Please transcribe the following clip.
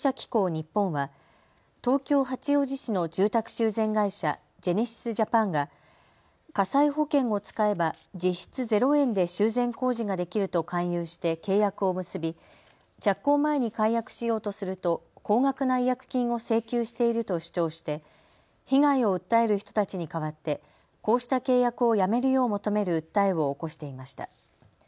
日本は東京八王子市の住宅修繕会社、ジェネシスジャパンが火災保険を使えば実質０円で修繕工事ができると勧誘して契約を結び着工前に解約しようとすると高額な違約金を請求していると主張して被害を訴える人たちに代わってこうした契約をやめるよう求める訴えを起こしていました。